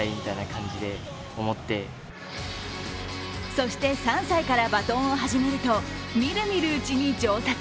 そして、３歳からバトンを始めると、みるみるうちに上達。